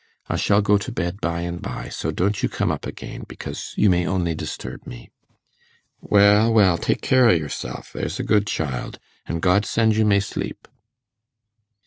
I shall go to bed by and by, so don't you come up again, because you may only disturb me.' 'Well, well, take care o' yourself, there's a good child, an' God send you may sleep.